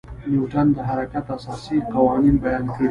نیوټن د حرکت اساسي قوانین بیان کړي.